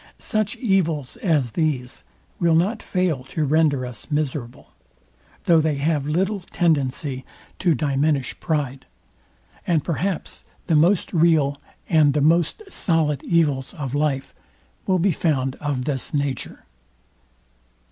Such evils as these will not fail to render us miserable, though they have little tendency to diminish pride: And perhaps the most real and the most solid evils of life will be found of this nature.